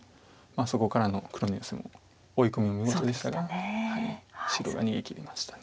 そこからの黒のヨセも追い込みも見事でしたが白が逃げきりました。